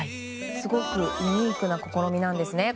すごくユニークな試みなんです。